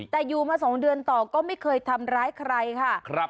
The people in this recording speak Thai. แต่อยู่มา๒เดือนต่อก็ไม่เคยทำร้ายใครค่ะ